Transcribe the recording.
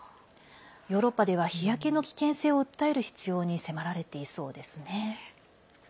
ヨーロッパでは日焼けの危険性を訴える必要に迫られていそうですね。